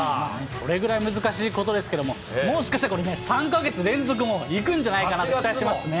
それぐらい難しいことですけども、もしかして、これね、３か月連続もいくんじゃないかなって期待してますね。